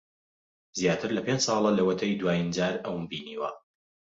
زیاتر لە پێنج ساڵە لەوەتەی دوایین جار ئەوم بینیوە.